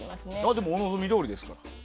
でも、お望みどおりですよ。